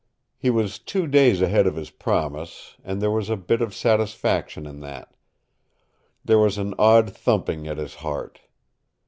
He was two days ahead of his promise, and there was a bit of satisfaction in that. There was an odd thumping at his heart.